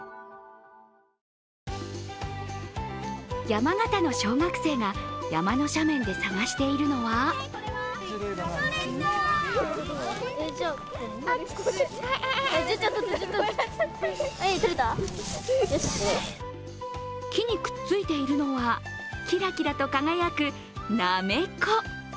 山形の小学生が山の斜面で探しているのは木にくっついているのはキラキラと輝くなめこ。